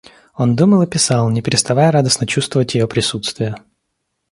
Он думал и писал, не переставая радостно чувствовать ее присутствие.